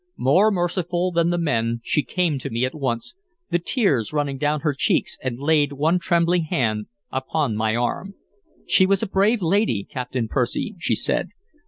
More merciful than the men, she came to me at once, the tears running down her cheeks, and laid one trembling hand upon my arm. "She was a brave lady, Captain Percy," she said.